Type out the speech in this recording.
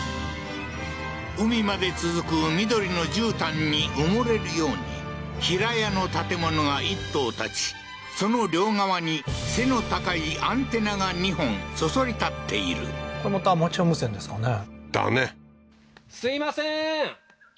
海まで続く緑のじゅうたんに埋もれるように平屋の建物が１棟建ちその両側に背の高いアンテナが２本そそり立っているこれまたアマチュア無線ですかね？